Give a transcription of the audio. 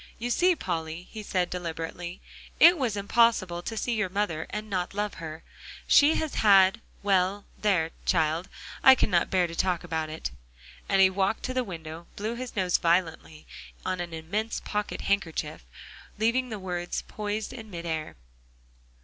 "You see, Polly," he said deliberately, "it was impossible to see your mother and not love her. She has had well, there, child, I cannot bear to talk about it," and he walked to the window, blew his nose violently on an immense pocket handkerchief, leaving the words poised in mid air.